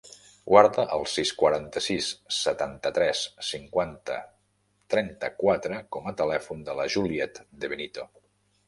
Guarda el sis, quaranta-sis, setanta-tres, cinquanta, trenta-quatre com a telèfon de la Juliette De Benito.